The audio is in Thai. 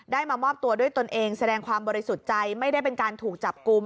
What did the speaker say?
มามอบตัวด้วยตนเองแสดงความบริสุทธิ์ใจไม่ได้เป็นการถูกจับกลุ่ม